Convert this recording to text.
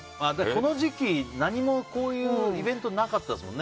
この時期何もイベントなかったですもんね。